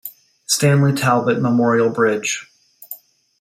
Stanley Talbot Memorial Bridge.